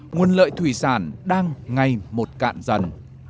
nguồn lợi thủy sản đang ngày một cạn dần